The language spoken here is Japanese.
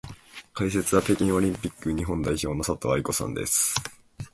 解説は北京オリンピック日本代表の佐藤愛子さんです。